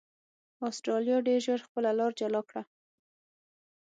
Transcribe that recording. اسټرالیا ډېر ژر خپله لار جلا کړه.